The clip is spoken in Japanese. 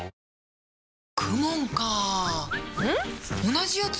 同じやつ？